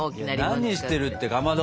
何してるってかまど。